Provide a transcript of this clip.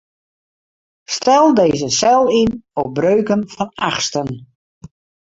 Stel dizze sel yn op breuken fan achtsten.